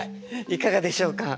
いかがでしょうか？